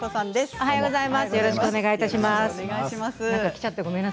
おはようございます。